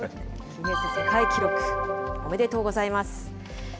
ギネス世界記録、おめでとうございます。